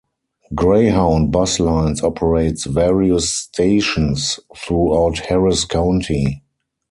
Greyhound Bus Lines operates various stations throughout Harris County.